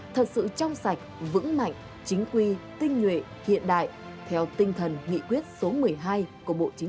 thật sự trong sạch vững mạnh chính quy tinh nguyện